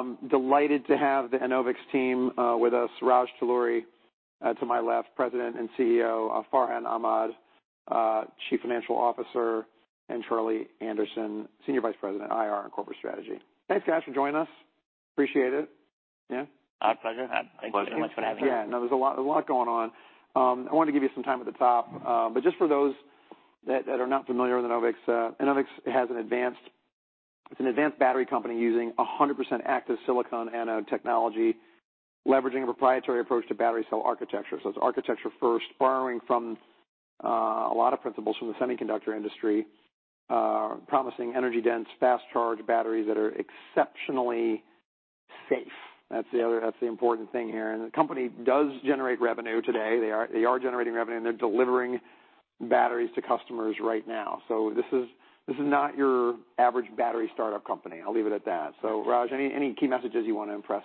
Okay, great. Delighted to have the Enovix team with us. Raj Talluri, to my left, President and CEO, Farhan Ahmad, Chief Financial Officer, and Charlie Anderson, Senior Vice President, IR and Corporate Strategy. Thanks, guys, for joining us. Appreciate it. Yeah? Our pleasure. Thank you so much for having us. Yeah, I know there's a lot, a lot going on. I wanted to give you some time at the top, but just for those that, that are not familiar with Enovix, Enovix has an advanced—it's an advanced battery company using 100% active Silicon Anode technology, leveraging a proprietary approach to battery cell architecture. So it's architecture first, borrowing from a lot of principles from the semiconductor industry, promising energy-dense, fast-charge batteries that are exceptionally safe. That's the other, that's the important thing here. And the company does generate revenue today. They are, they are generating revenue, and they're delivering batteries to customers right now. So this is, this is not your average battery startup company. I'll leave it at that. So, Raj, any, any key messages you want to impress?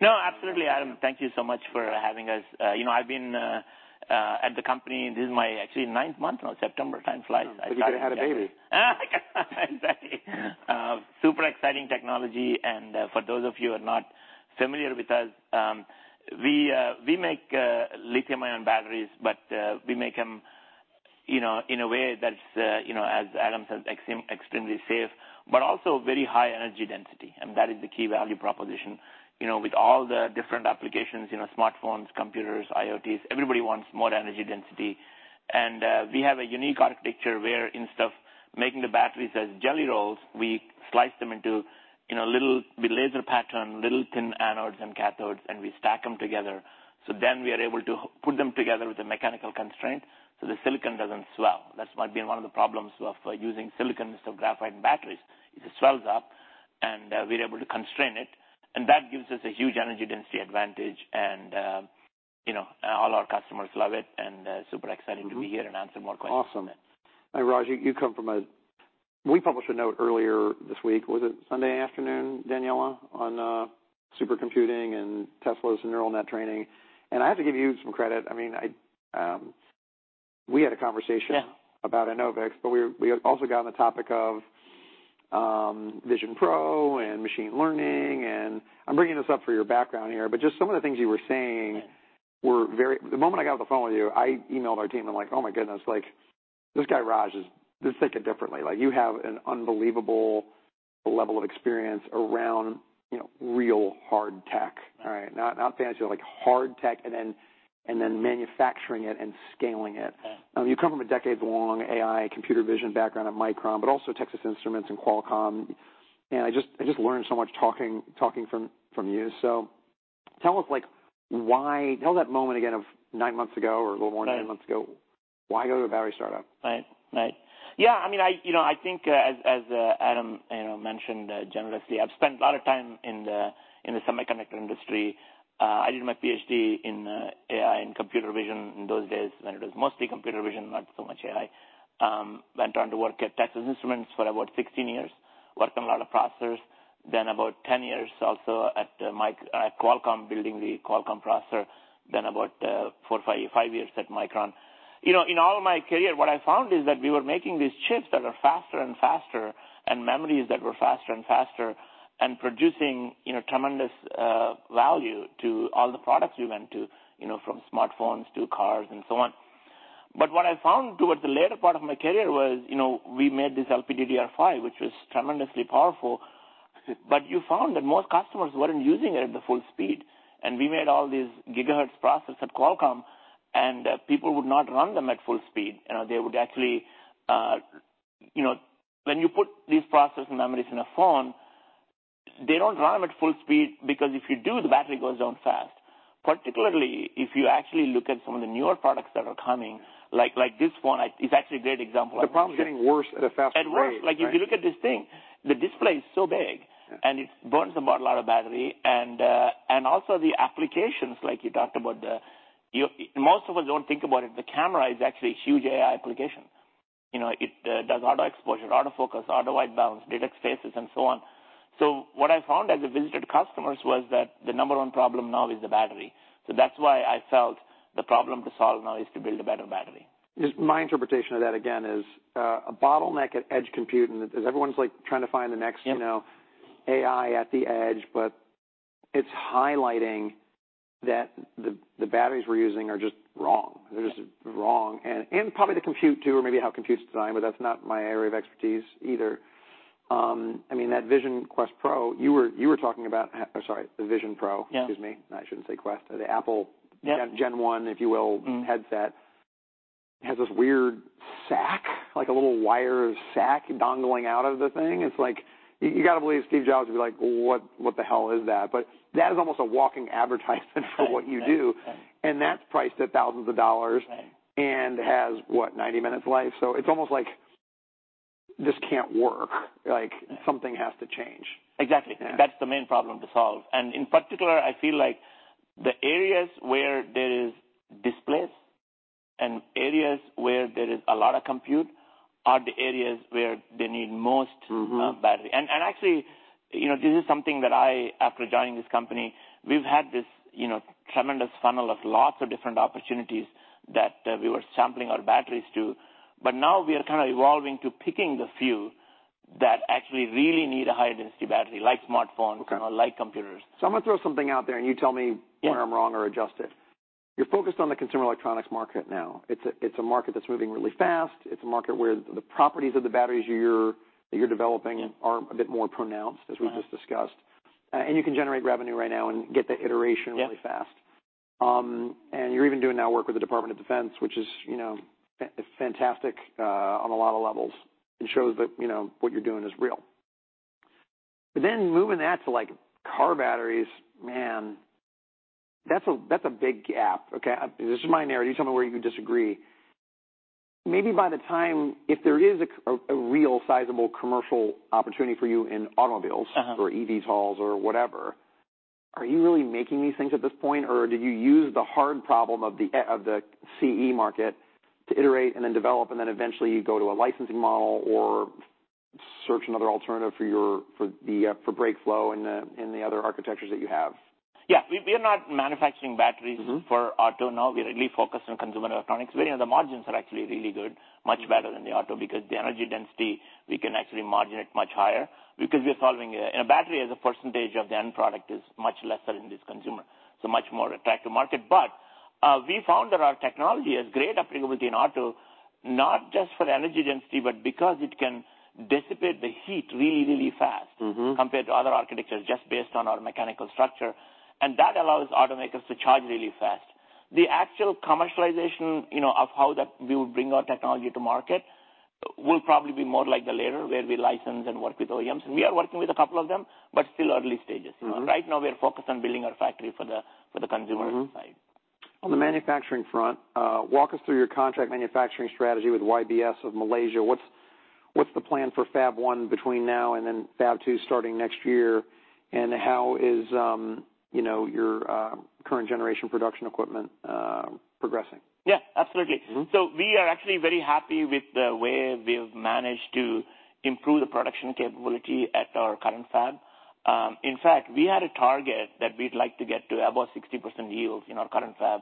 No, absolutely, Adam. Thank you so much for having us. You know, I've been at the company, this is my actually ninth month now, September. Time flies. But you had a baby. Exactly. Super exciting technology. And, for those of you who are not familiar with us, we make lithium-ion batteries, but we make them, you know, in a way that's, you know, as Adam said, extremely safe, but also very high energy density. And that is the key value proposition. You know, with all the different applications, you know, smartphones, computers, IoTs, everybody wants more energy density. And, we have a unique architecture where instead of making the batteries as Jelly Rolls, we slice them into, you know, little, we laser pattern, little thin anodes and cathodes, and we stack them together. So then we are able to put them together with a mechanical constraint so the silicon doesn't swell. That might have been one of the problems of using silicon instead of graphite batteries. It swells up, and we're able to constrain it, and that gives us a huge energy density advantage. You know, all our customers love it, and it's super exciting to be here and answer more questions. Awesome. Raj, you come from a—we published a note earlier this week. Was it Sunday afternoon, Daniela, on supercomputing and Tesla's neural net training? And I have to give you some credit. I mean, we had a conversation- Yeah -about Enovix, but we also got on the topic of Vision Pro and machine learning, and I'm bringing this up for your background here, but just some of the things you were saying were very... The moment I got off the phone with you, I emailed our team. I'm like, oh, my goodness, like, this guy, Raj, just thinks differently. Like, you have an unbelievable level of experience around, you know, real hard tech. All right? Not fancy, like, hard tech, and then manufacturing it and scaling it. Yeah. You come from a decades-long AI computer vision background at Micron, but also Texas Instruments and Qualcomm. And I just learned so much talking from you. So tell us, like, why... Tell that moment again of nine months ago or a little more than nine months ago. Right. Why go to a battery startup? Right. Right. Yeah, I mean, you know, I think, as Adam you know mentioned generously, I've spent a lot of time in the semiconductor industry. I did my Ph.D. in AI, in computer vision in those days when it was mostly computer vision, not so much AI. Went on to work at Texas Instruments for about 16 years, worked on a lot of processors. Then about 10 years also at Qualcomm, building the Qualcomm processor, then about four or five years at Micron. You know, in all of my career, what I found is that we were making these chips that are faster and faster, and memories that were faster and faster, and producing you know tremendous value to all the products we went to, you know, from smartphones to cars and so on. But what I found towards the latter part of my career was, you know, we made this LPDDR5, which was tremendously powerful, but you found that most customers weren't using it at the full speed. And we made all these gigahertz processors at Qualcomm, and, people would not run them at full speed. You know, they would actually, you know, when you put these processors and memories in a phone, they don't run them at full speed, because if you do, the battery goes down fast. Particularly, if you actually look at some of the newer products that are coming, like, like this phone, it's actually a great example. The problem is getting worse at a faster rate, right? It's worse. Like, if you look at this thing, the display is so big, and it burns about a lot of battery. And, and also the applications, like you talked about, Most of us don't think about it. The camera is actually a huge AI application. You know, it does auto exposure, auto focus, auto white balance, detects faces and so on. So what I found as I visited customers was that the number one problem now is the battery. So that's why I felt the problem to solve now is to build a better battery. Just my interpretation of that, again, is a bottleneck at edge compute, and as everyone's like trying to find the next- Yeah You know, AI at the edge, but it's highlighting that the batteries we're using are just wrong. Yeah. They're just wrong. And probably the compute, too, or maybe how compute is designed, but that's not my area of expertise either. I mean, that Vision Pro you were talking about, sorry, the Vision Pro. Yeah. Excuse me. I shouldn't say Quest. The Apple- Yeah Gen one, if you will- Mm-hmm headset has this weird sack, like a little wire sack dangling out of the thing. It's like, you gotta believe Steve Jobs would be like: What, what the hell is that? But that is almost a walking advertisement for what you do. Right. Right. That's priced at thousands of dollars- Right and has, what? 90 minutes life. So it's almost like, this can't work. Like, something has to change. Exactly. Yeah. That's the main problem to solve. And in particular, I feel like the areas where there is displays and areas where there is a lot of compute are the areas where they need most- Mm-hmm battery. And actually, you know, this is something that I, after joining this company, we've had this, you know, tremendous funnel of lots of different opportunities that we were sampling our batteries to.... but now we are kind of evolving to picking the few that actually really need a high-density battery, like smartphones- Okay. - or like computers. I'm gonna throw something out there, and you tell me- Yeah. - where I'm wrong or adjust it. You're focused on the consumer electronics market now. It's a market that's moving really fast. It's a market where the properties of the batteries you're developing- Yeah Are a bit more pronounced, as we just discussed. Uh-huh. You can generate revenue right now and get the iteration really fast. Yeah. And you're even doing now work with the Department of Defense, which is, you know, fantastic, on a lot of levels, and shows that, you know, what you're doing is real. But then moving that to, like, car batteries, man, that's a, that's a big gap. Okay? This is my narrative. You tell me where you disagree. Maybe by the time... If there is a, a real sizable commercial opportunity for you in automobiles- Uh-huh. - or EVTOLs or whatever, are you really making these things at this point? Or do you use the hard problem of the EV of the CE market to iterate and then develop, and then eventually you go to a licensing model or search another alternative for your BrakeFlow in the other architectures that you have? Yeah. We are not manufacturing batteries- Mm-hmm. for auto now. We are really focused on consumer electronics, where the margins are actually really good, much better than the auto, because the energy density, we can actually margin it much higher because we are solving a... And a battery, as a percentage of the end product, is much lesser in this consumer, so much more attractive market. But, we found that our technology has great applicability in auto, not just for the energy density, but because it can dissipate the heat really, really fast. Mm-hmm Compared to other architectures, just based on our mechanical structure. And that allows automakers to charge really fast. The actual commercialization, you know, of how that we would bring our technology to market will probably be more like the latter, where we license and work with OEMs. We are working with a couple of them, but still early stages. Mm-hmm. Right now, we are focused on building our factory for the consumer side. Mm-hmm. On the manufacturing front, walk us through your contract manufacturing strategy with YBS of Malaysia. What's the plan for Fab-1 between now and then Fab-2 starting next year, and how is, you know, your current generation production equipment progressing? Yeah, absolutely. Mm-hmm. We are actually very happy with the way we've managed to improve the production capability at our current fab. In fact, we had a target that we'd like to get to about 60% yields in our current fab,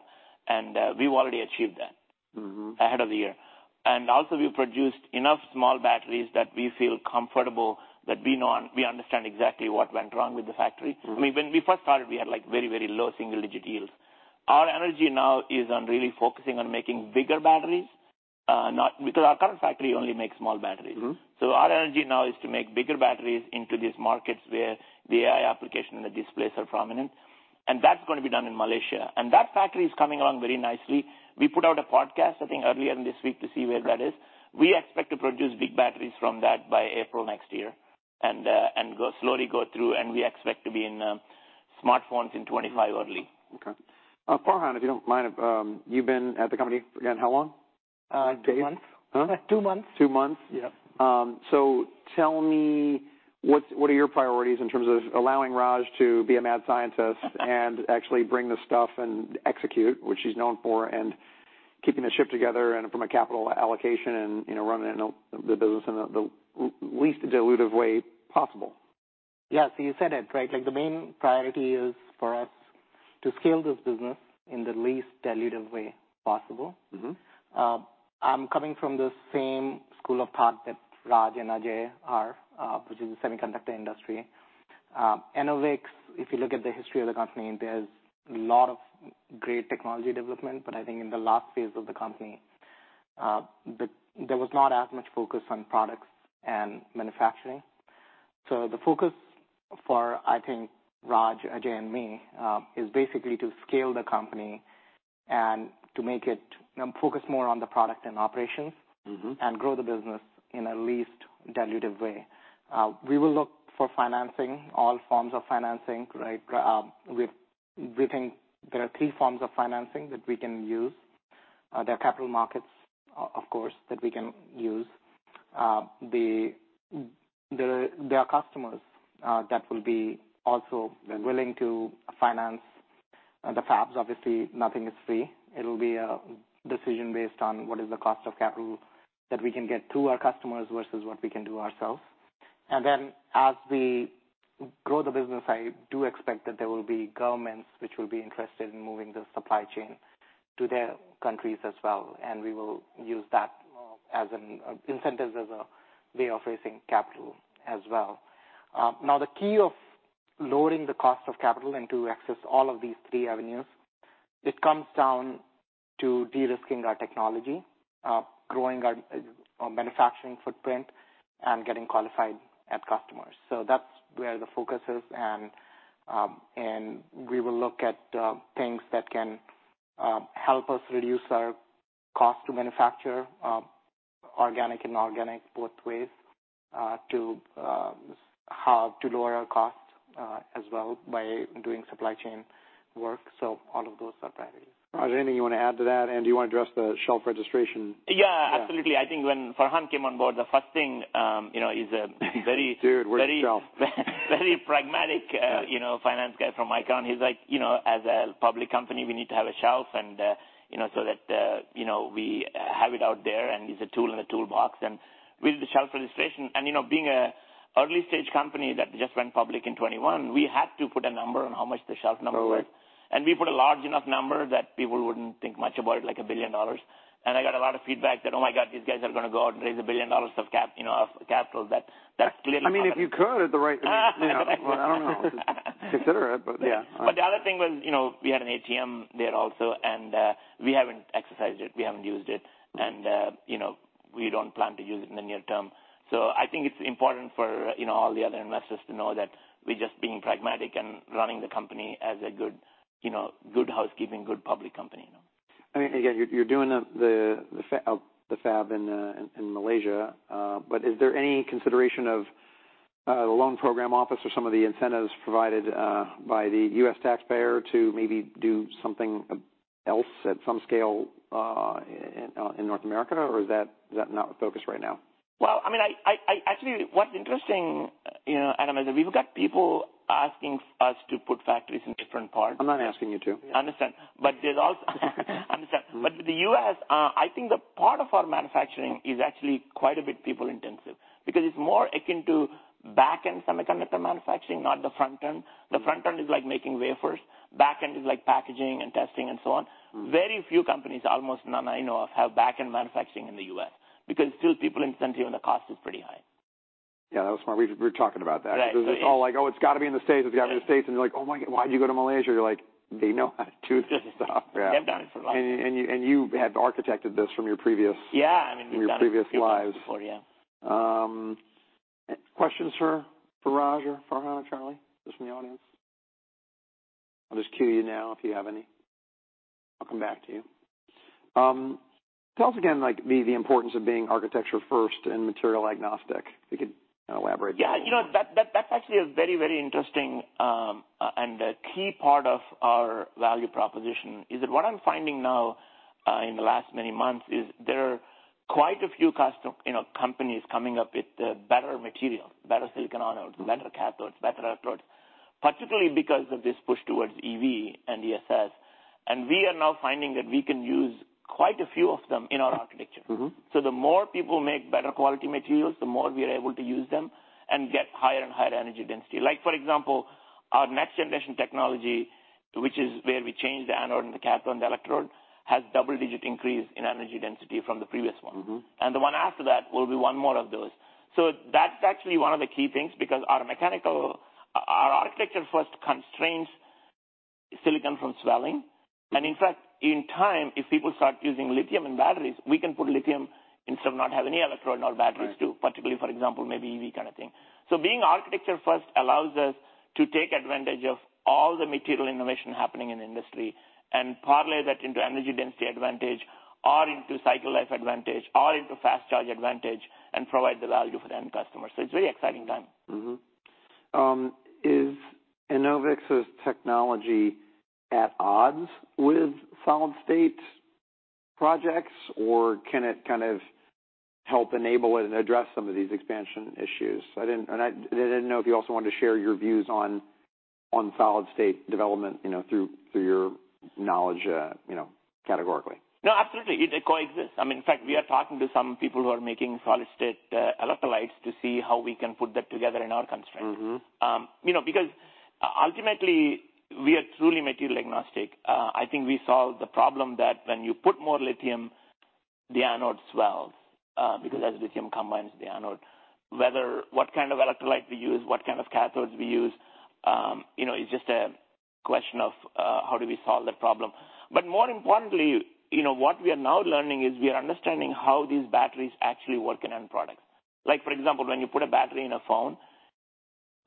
and we've already achieved that- Mm-hmm... ahead of the year. Also, we've produced enough small batteries that we feel comfortable that we know and we understand exactly what went wrong with the factory. Mm-hmm. When we first started, we had, like, very, very low single-digit yields. Our energy now is on really focusing on making bigger batteries, not because our current factory only makes small batteries. Mm-hmm. Our energy now is to make bigger batteries into these markets where the AI application and the displays are prominent, and that's going to be done in Malaysia. And that factory is coming along very nicely. We put out a podcast, I think, earlier this week, to see where that is. We expect to produce big batteries from that by April next year, and slowly go through, and we expect to be in smartphones in early 2025. Okay. Farhan, if you don't mind, you've been at the company, again, how long? Two months. Huh? Two months. Two months? Yeah. So tell me, what are your priorities in terms of allowing Raj to be a mad scientist and actually bring the stuff and execute, which he's known for, and keeping the ship together and from a capital allocation and, you know, running the business in the least dilutive way possible? Yeah. So you said it, right? Like, the main priority is for us to scale this business in the least dilutive way possible. Mm-hmm. I'm coming from the same school of thought that Raj and Ajay are, which is the semiconductor industry. Enovix, if you look at the history of the company, there's a lot of great technology development, but I think in the last phase of the company, there was not as much focus on products and manufacturing. So the focus for, I think, Raj, Ajay, and me, is basically to scale the company and to make it focus more on the product and operations- Mm-hmm... and grow the business in a least dilutive way. We will look for financing, all forms of financing, right? We think there are three forms of financing that we can use. There are capital markets, of course, that we can use. There are customers that will be also willing to finance the fabs. Obviously, nothing is free. It'll be a decision based on what is the cost of capital that we can get through our customers versus what we can do ourselves. And then, as we grow the business, I do expect that there will be governments which will be interested in moving the supply chain to their countries as well, and we will use that as an incentives, as a way of raising capital as well. Now, the key of lowering the cost of capital and to access all of these three avenues, it comes down to de-risking our technology, growing our manufacturing footprint, and getting qualified end customers. So that's where the focus is, and and we will look at things that can help us reduce our cost to manufacture, organic and inorganic, both ways, to how to lower our costs, as well by doing supply chain work. So all of those are priorities. Raj, anything you want to add to that? And do you want to address the shelf registration? Yeah, absolutely. Yeah. I think when Farhan came on board, the first thing, you know, he's a very- Dude, where's the shelf? Very, very pragmatic, you know, finance guy from Micron. He's like, "You know, as a public company, we need to have a shelf," and, you know, so that, you know, we have it out there, and it's a tool in the toolbox. And with the shelf registration, and, you know, being a early-stage company that just went public in 2021, we had to put a number on how much the shelf number was.... And we put a large enough number that people wouldn't think much about it, like $1 billion. And I got a lot of feedback that, oh, my God, these guys are going to go out and raise $1 billion of cap, you know, of capital. That, that's clearly- I mean, if you could at the right, I mean, well, I don't know, consider it, but yeah. But the other thing was, you know, we had an ATM there also, and we haven't exercised it. We haven't used it, and you know, we don't plan to use it in the near term. So I think it's important for, you know, all the other investors to know that we're just being pragmatic and running the company as a good, you know, good housekeeping, good public company. I mean, again, you're doing the fab in Malaysia, but is there any consideration of the loan program office or some of the incentives provided by the U.S. taxpayer to maybe do something else at some scale in North America, or is that not the focus right now? Well, I mean, I actually, what's interesting, you know, Adam, is that we've got people asking us to put factories in different parts. I'm not asking you to. But the U.S., I think the part of our manufacturing is actually quite a bit people intensive because it's more akin to back-end semiconductor manufacturing, not the front end. The front end is like making wafers. Back end is like packaging and testing and so on. Very few companies, almost none I know of, have back-end manufacturing in the U.S. because it's still people intensive and the cost is pretty high. Yeah, that was smart. We were talking about that. Right. Because it's all like, "Oh, it's got to be in the States. It's got to be in the States." And you're like, "Oh, my God, why'd you go to Malaysia?" You're like, "They know how to do this stuff. They've done it for a while. And you had architected this from your previous- Yeah, I mean- From your previous lives. Yeah. Questions for, for Raj or for Farhan, Charlie, just from the audience? I'll just cue you now if you have any. I'll come back to you. Tell us again, like, the, the importance of being architecture first and material agnostic. If you could elaborate. Yeah, you know, that's actually a very, very interesting, and a key part of our value proposition is that what I'm finding now, in the last many months is there are quite a few custom, you know, companies coming up with better material, better silicon anodes, better cathodes, better electrodes, particularly because of this push towards EV and ESS. And we are now finding that we can use quite a few of them in our architecture. Mm-hmm. The more people make better quality materials, the more we are able to use them and get higher and higher energy density. Like, for example, our next-generation technology, which is where we change the anode and the cathode and the electrode, has double-digit increase in energy density from the previous one. Mm-hmm. The one after that will be one more of those. So that's actually one of the key things, because our architecture first constrains silicon from swelling. And in fact, in time, if people start using lithium in batteries, we can put lithium instead of not have any electrode in our batteries, too- Right. Particularly, for example, maybe EV kind of thing. So being architecture first allows us to take advantage of all the material innovation happening in the industry and parlay that into energy density advantage or into cycle life advantage or into fast charge advantage and provide the value for the end customer. So it's a very exciting time. Mm-hmm. Is Enovix's technology at odds with solid-state projects, or can it kind of help enable it and address some of these expansion issues? I didn't know if you also wanted to share your views on solid state development, you know, through your knowledge, you know, categorically. No, absolutely. It coexists. I mean, in fact, we are talking to some people who are making solid state electrolytes to see how we can put that together in our constraints. Mm-hmm. You know, because ultimately, we are truly material agnostic. I think we solved the problem that when you put more lithium, the anodes swell, because as lithium combines the anode, whether what kind of electrolyte we use, what kind of cathodes we use, you know, it's just a question of, how do we solve that problem. But more importantly, you know, what we are now learning is we are understanding how these batteries actually work in end products. Like, for example, when you put a battery in a phone,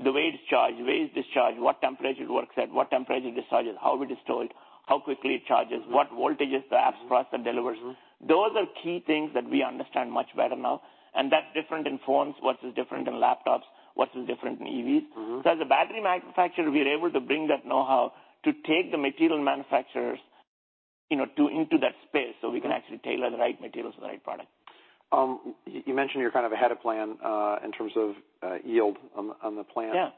the way it's charged, the way it's discharged, what temperature it works at, what temperature discharges, how it is stored, how quickly it charges, what voltages the apps processor delivers. Mm-hmm. Those are key things that we understand much better now, and that's different in phones, what is different in laptops, what is different in EVs. Mm-hmm. As a battery manufacturer, we are able to bring that know-how to take the material manufacturers, you know, into that space, so we can actually tailor the right materials to the right product. You mentioned you're kind of ahead of plan in terms of yield on the plan- Yeah.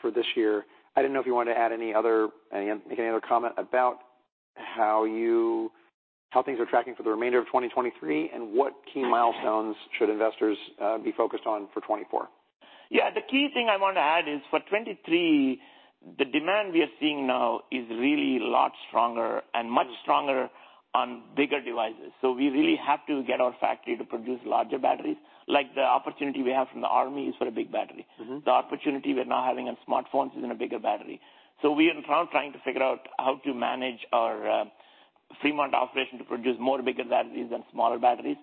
For this year. I didn't know if you wanted to add any other, make any other comment about how things are tracking for the remainder of 2023, and what key milestones should investors be focused on for 2024? Yeah, the key thing I want to add is for 2023, the demand we are seeing now is really a lot stronger and much stronger on bigger devices. So we really have to get our factory to produce larger batteries. Like the opportunity we have from the army is for a big battery. Mm-hmm. The opportunity we're now having on smartphones is in a bigger battery. So we are now trying to figure out how to manage our Fremont operation to produce more bigger batteries than smaller batteries,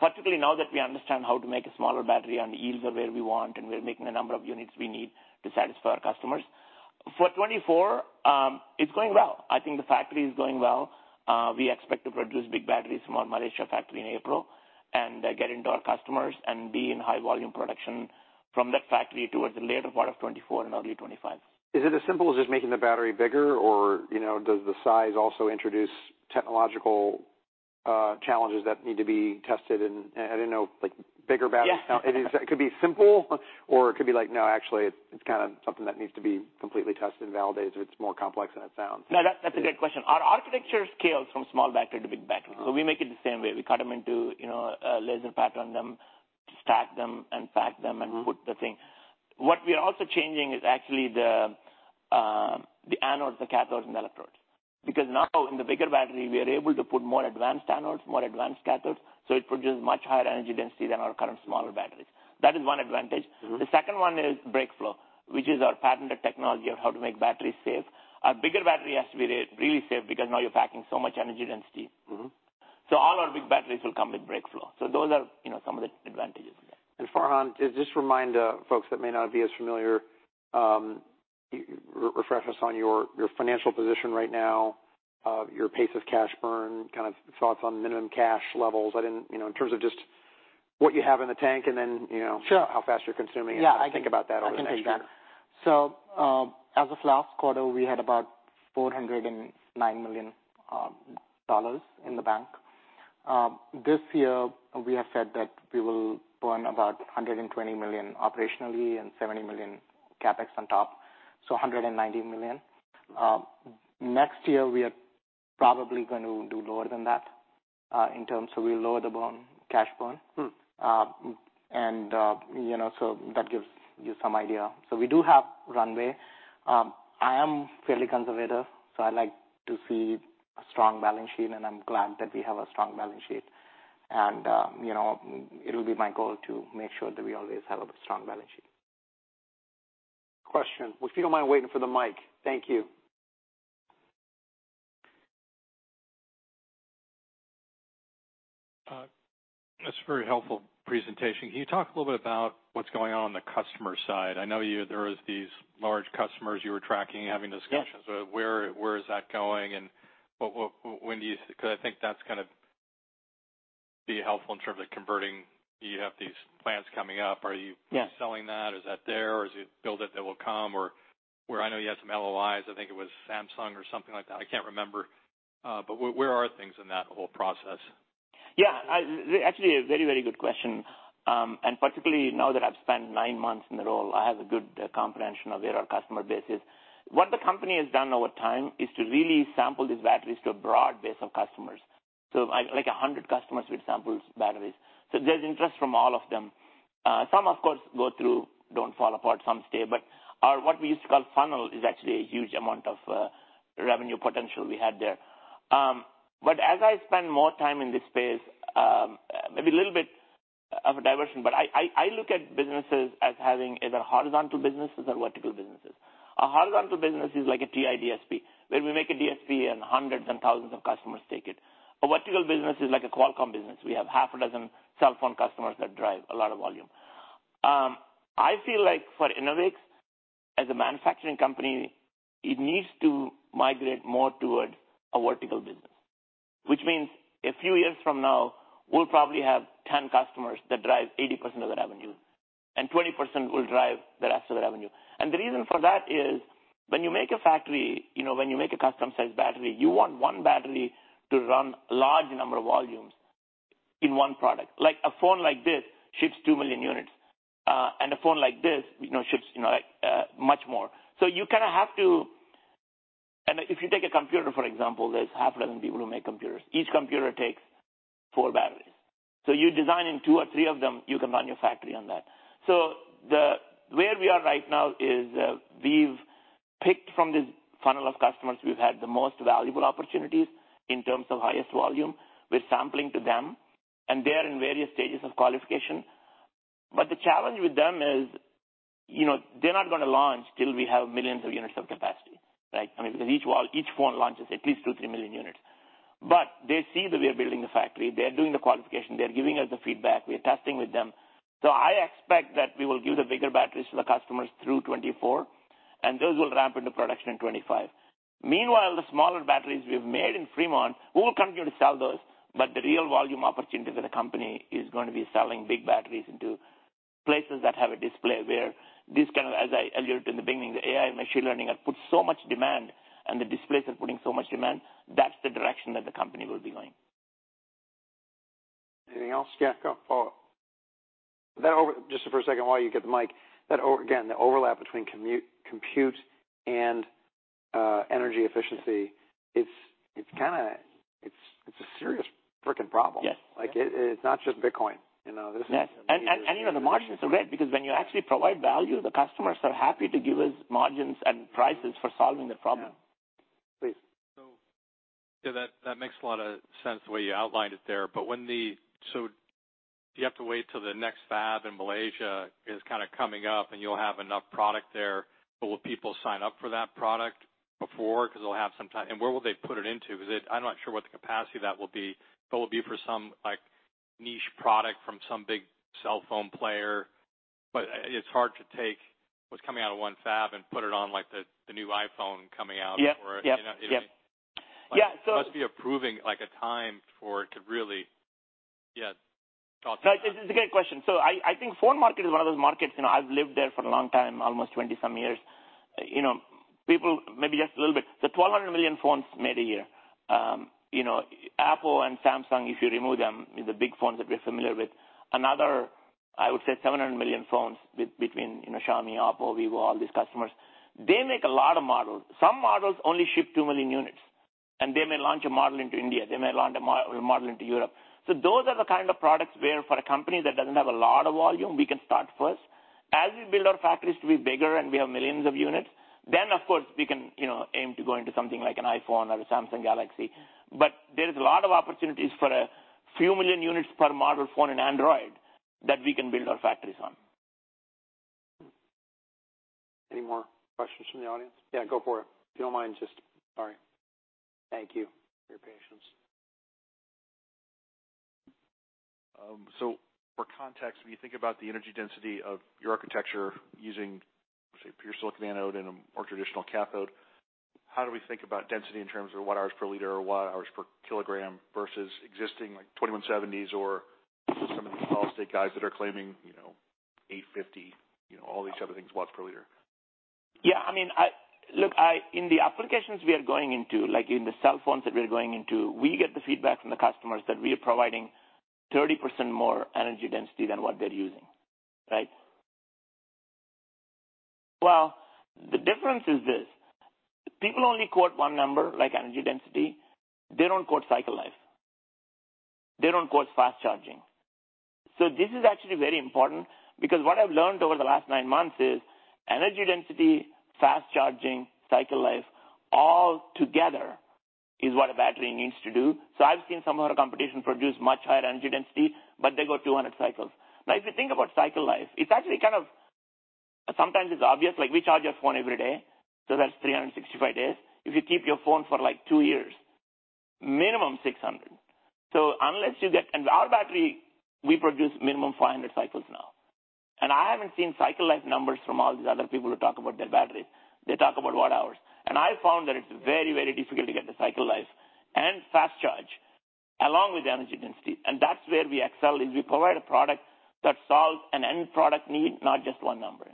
particularly now that we understand how to make a smaller battery and the yields are where we want, and we're making the number of units we need to satisfy our customers. For 2024, it's going well. I think the factory is going well. We expect to produce big batteries from our Malaysia factory in April and get into our customers and be in high volume production from that factory towards the latter part of 2024 and early 2025. Is it as simple as just making the battery bigger, or, you know, does the size also introduce technological challenges that need to be tested? And I didn't know, like, bigger batteries- Yeah. It could be simple, or it could be like, no, actually, it's kind of something that needs to be completely tested and validated, so it's more complex than it sounds. No, that's, that's a good question. Our architecture scales from small battery to big battery. So we make it the same way. We cut them into, you know, a laser pattern them... stack them and pack them- Mm-hmm. -and put the thing. What we are also changing is actually the, the anodes, the cathodes, and the electrodes. Because now in the bigger battery, we are able to put more advanced anodes, more advanced cathodes, so it produces much higher energy density than our current smaller batteries. That is one advantage. Mm-hmm. The second one is BrakeFlow, which is our patented technology of how to make batteries safe. A bigger battery has to be really safe because now you're packing so much energy density. Mm-hmm. So all our big batteries will come with BrakeFlow. So those are, you know, some of the advantages there. Farhan, just remind the folks that may not be as familiar, refresh us on your financial position right now, your pace of cash burn, kind of thoughts on minimum cash levels. I didn't... You know, in terms of just what you have in the tank, and then, you know- Sure. how fast you're consuming it. Yeah, I- Think about that over the next year. I can do that. So, as of last quarter, we had about $409 million in the bank. This year we have said that we will burn about $120 million operationally, and $70 million CapEx on top, so $190 million. Next year we are probably going to do lower than that, in terms of we lower the burn, cash burn. Mm. And, you know, so that gives you some idea. So we do have runway. I am fairly conservative, so I like to see a strong balance sheet, and I'm glad that we have a strong balance sheet. And, you know, it'll be my goal to make sure that we always have a strong balance sheet. Question. Well, if you don't mind waiting for the mic. Thank you. That's a very helpful presentation. Can you talk a little bit about what's going on on the customer side? I know you, there was these large customers you were tracking and having discussions with. Yeah. Where is that going? And when do you... Because I think that's kind of be helpful in terms of converting. You have these plans coming up. Are you- Yeah. -selling that? Is that there, or is it build it that will come? Or where I know you had some LOIs, I think it was Samsung or something like that, I can't remember. But where, where are things in that whole process? Yeah, actually a very, very good question. And particularly now that I've spent nine months in the role, I have a good comprehension of where our customer base is. What the company has done over time is to really sample these batteries to a broad base of customers. So like 100 customers with samples batteries. So there's interest from all of them. Some, of course, go through, don't fall apart, some stay, but our, what we used to call funnel, is actually a huge amount of revenue potential we had there. But as I spend more time in this space, maybe a little bit of a diversion, but I look at businesses as having either horizontal businesses or vertical businesses. A horizontal business is like a TI DSP, where we make a DSP and hundreds and thousands of customers take it. A vertical business is like a Qualcomm business. We have half a dozen cell phone customers that drive a lot of volume. I feel like for Enovix, as a manufacturing company, it needs to migrate more toward a vertical business, which means a few years from now, we'll probably have 10 customers that drive 80% of the revenue, and 20% will drive the rest of the revenue. And the reason for that is, when you make a factory, you know, when you make a custom-sized battery, you want one battery to run large number of volumes in one product. Like, a phone like this ships 2 million units, and a phone like this, you know, ships, you know, like, much more. So you kind of have to... If you take a computer, for example, there are six people who make computers. Each computer takes four batteries. So if you're designing two or three of them, you can run your factory on that. So where we are right now is, we've picked from this funnel of customers who've had the most valuable opportunities in terms of highest volume. We're sampling to them, and they are in various stages of qualification. But the challenge with them is, you know, they're not going to launch till we have millions of units of capacity, right? I mean, because each OEM, each phone launches at least 2-3 million units. But they see that we are building the factory. They are doing the qualification. They are giving us the feedback. We are testing with them. So I expect that we will give the bigger batteries to the customers through 2024, and those will ramp into production in 2025. Meanwhile, the smaller batteries we've made in Fremont, we will continue to sell those, but the real volume opportunity for the company is going to be selling big batteries into places that have a display, where this kind of, as I alluded to in the beginning, the AI machine learning, have put so much demand, and the displays are putting so much demand, that's the direction that the company will be going. Anything else? Yeah, go. Oh, that over... Just for a second, while you get the mic, that over- again, the overlap between commute, compute and energy efficiency, it's, it's a serious freaking problem. Yes. Like, it's not just Bitcoin, you know, this is- Yes. And you know, the margins are great, because when you actually provide value, the customers are happy to give us margins and prices for solving the problem. Yeah. Please. So, yeah, that makes a lot of sense the way you outlined it there. But... so you have to wait till the next fab in Malaysia is kind of coming up, and you'll have enough product there, but will people sign up for that product before? Because they'll have some time. And where will they put it into? Because I'm not sure what the capacity of that will be, but it will be for some, like, niche product from some big cell phone player. But it's hard to take what's coming out of one fab and put it on, like, the new iPhone coming out- Yeah. or, you know? Yep. Yeah, so- Must be approving, like, a time for it to really... Yeah, talk to me about that. It's a great question. So I think phone market is one of those markets, you know, I've lived there for a long time, almost 20-some years. You know, people, maybe just a little bit, there are 1,200 million phones made a year. You know, Apple and Samsung, if you remove them, the big phones that we're familiar with, another, I would say, 700 million phones between, you know, Xiaomi, Apple, Vivo, all these customers, they make a lot of models. Some models only ship 2 million units, and they may launch a model into India, they may launch a model into Europe. So those are the kind of products where for a company that doesn't have a lot of volume, we can start first. As we build our factories to be bigger and we have millions of units, then of course, we can, you know, aim to go into something like an iPhone or a Samsung Galaxy. But there is a lot of opportunities for a few million units per model phone in Android that we can build our factories on. Any more questions from the audience? Yeah, go for it. If you don't mind, just... Sorry. Thank you for your patience. So, for context, when you think about the energy density of your architecture using, say, pure silicon anode and a more traditional cathode, how do we think about density in terms of watt-hours per liter or watt-hours per kilogram versus existing, like, 2170s or some of the solid state guys that are claiming, you know, 850, you know, all these other things, watts per liter? Yeah, I mean, look, I, in the applications we are going into, like in the cell phones that we are going into, we get the feedback from the customers that we are providing 30% more energy density than what they're using, right? Well, the difference is this, people only quote one number, like energy density. They don't quote cycle life. They don't quote fast charging. So this is actually very important because what I've learned over the last nine months is energy density, fast charging, cycle life, all together is what a battery needs to do. So I've seen some of our competition produce much higher energy density, but they go 200 cycles. Now, if you think about cycle life, it's actually kind of sometimes it's obvious, like, we charge your phone every day, so that's 365 days. If you keep your phone for, like, two years, minimum 600. So unless you get... Our battery, we produce minimum 500 cycles now, and I haven't seen cycle life numbers from all these other people who talk about their batteries. They talk about watt-hours. I found that it's very, very difficult to get the cycle life and fast charge along with the energy density. That's where we excel, is we provide a product that solves an end product need, not just one number.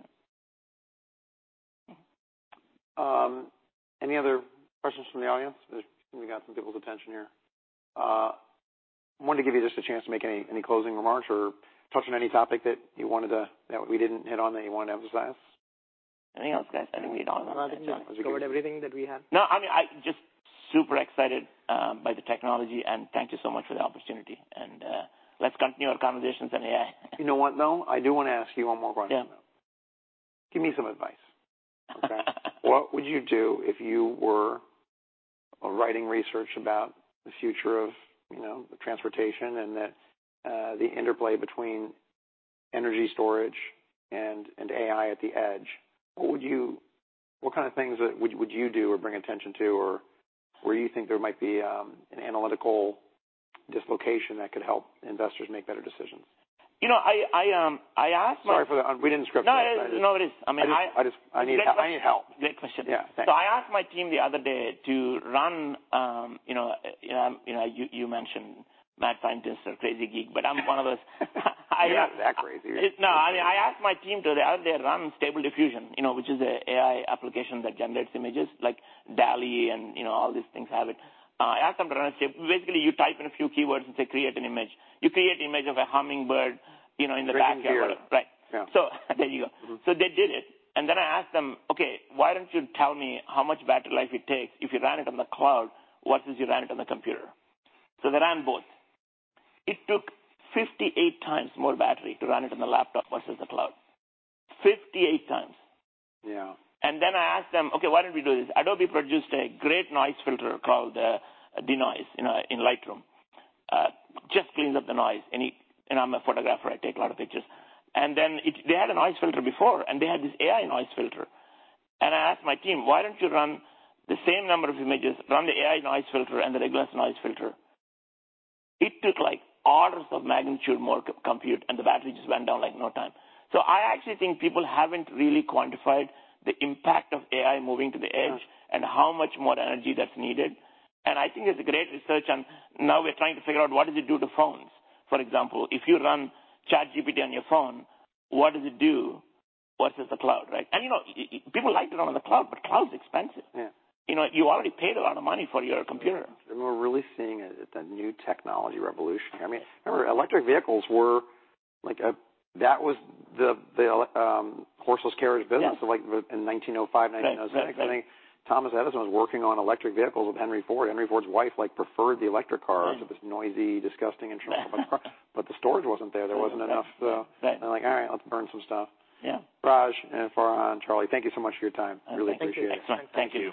Any other questions from the audience? We got some people's attention here. I wanted to give you just a chance to make any, any closing remarks or touch on any topic that you wanted to, that we didn't hit on, that you want to emphasize. Anything else, guys, I think we hit on? I think we covered everything that we have. No, I mean, I just super excited by the technology, and thank you so much for the opportunity, and, let's continue our conversations on AI. You know what, though? I do want to ask you one more question. Yeah. Give me some advice, okay? What would you do if you were writing research about the future of, you know, transportation and the interplay between energy storage and AI at the edge? What kind of things would you do or bring attention to, or where you think there might be an analytical dislocation that could help investors make better decisions? You know, I asked my- Sorry for that. We didn't script this. No, no worries. I mean, I- I just, I need, I need help. Great question. Yeah. Thanks. So I asked my team the other day to run, you know, you know, you mentioned mad scientist or crazy geek, but I'm one of those. You're not that crazy. No, I asked my team the other day, run Stable Diffusion, you know, which is an AI application that generates images like DALL-E and, you know, all these things have it. I asked them to run it. Basically, you type in a few keywords, and they create an image. You create an image of a hummingbird, you know, in the backyard. Right. There you go. Mm-hmm. So they did it, and then I asked them: "Okay, why don't you tell me how much battery life it takes if you ran it on the cloud versus you ran it on the computer?" So they ran both. It took 58 times more battery to run it on the laptop versus the cloud. 58 times. Yeah. And then I asked them: "Okay, why don't we do this?" Adobe produced a great noise filter called Denoise in Lightroom. Just cleans up the noise, and, and I'm a photographer, I take a lot of pictures. And then it... They had a noise filter before, and they had this AI noise filter. And I asked my team: "Why don't you run the same number of images, run the AI noise filter and the regular noise filter?" It took, like, orders of magnitude, more compute, and the battery just went down, like, no time. So I actually think people haven't really quantified the impact of AI moving to the edge- Yeah and how much more energy that's needed. And I think it's a great research, and now we're trying to figure out what does it do to phones. For example, if you run ChatGPT on your phone, what does it do versus the cloud, right? And, you know, people like to run on the cloud, but cloud is expensive. Yeah. You know, you already paid a lot of money for your computer. We're really seeing the new technology revolution here. I mean, remember, electric vehicles were like, that was the horseless carriage business- Yeah Like in 1905, 1906. Right. I think Thomas Edison was working on electric vehicles with Henry Ford. Henry Ford's wife, like, preferred the electric car- Mm. because of this noisy, disgusting, internal car. But the storage wasn't there. Mm. There wasn't enough, Right. They're like: "All right, let's burn some stuff. Yeah. Raj and Farhan, Charlie, thank you so much for your time. I really appreciate it. Thank you. Thank you.